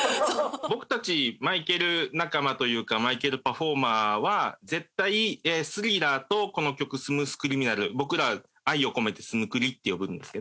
僕たちマイケル仲間というかマイケルパフォーマーは絶対『スリラー』とこの曲『ＳＭＯＯＴＨＣＲＩＭＩＮＡＬ』僕ら愛を込めて『スムクリ』って呼ぶんですけど。